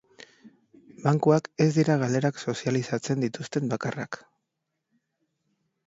Bankuak ez dira galerak sozializatzen dituzten bakarrak.